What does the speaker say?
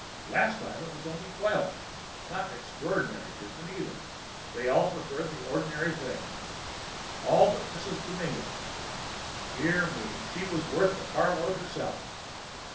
Last time it was only twelve. Not an extraordinary shipment, either: they all preferred the ordinary things. All but Mrs. Dominguez dear me, she was worth the carload herself.